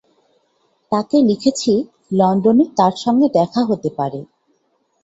তাঁকে লিখেছি, লণ্ডনে তাঁর সঙ্গে দেখা হতে পারে।